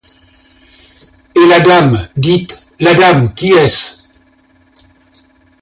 Et la dame, dites, la dame, qui est-ce?